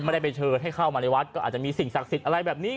ไม่ได้ไปเชิญให้เข้ามาในวัดก็อาจจะมีสิ่งศักดิ์สิทธิ์อะไรแบบนี้